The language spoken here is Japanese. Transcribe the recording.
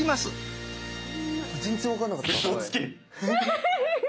全然分かんなかった。